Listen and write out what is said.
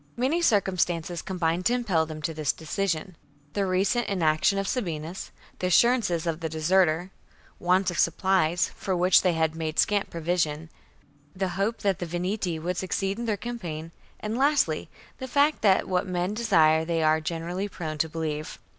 Many circumstances combined to impel them to this decision, — the recent inaction of Sabinus, the assurances of the deserter, want of supplies (for which they had made scant provision), the hope that the Veneti would succeed in their campaign, and lastly, the fact that what men desire they are generally prone to believe.